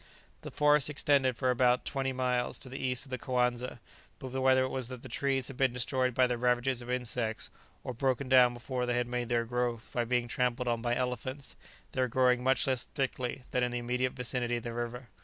The forest extended for about twenty miles to the east of the Coanza, but whether it was that the trees had been destroyed by the ravages of insects, or broken down before they had made their growth by being trampled on by elephants, they were growing much less thickly than in the immediate vicinity of the river.